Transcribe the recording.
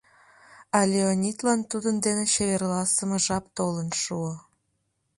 А Леонидлан тудын дене чеверласыме жап толын шуо.